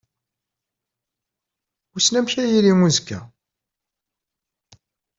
Wissen amek ara yili uzekka?